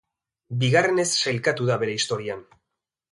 Bigarrenez sailkatu da bere historian.